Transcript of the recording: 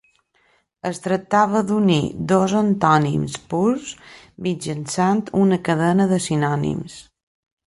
Es tractava d'unir dos antònims purs mitjançant una cadena de sinònims.